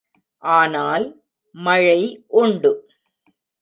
ஆனால், மழை உண்டு.